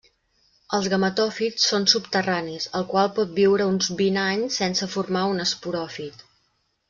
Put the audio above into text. Els gametòfits són subterranis el qual pot viure uns vint anys sense formar un esporòfit.